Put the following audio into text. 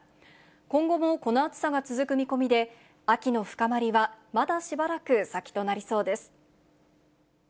今後もこの暑さが続く見込みで、秋の深まりはまだしばらく先となりそうです。